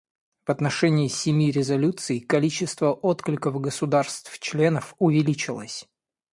В отношении семи резолюций количество откликов государств-членов увеличилось.